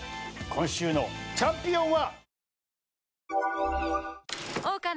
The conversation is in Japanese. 今週のチャンピオンは。